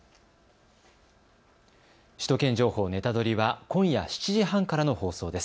首都圏情報ネタドリ！は今夜７時半からの放送です。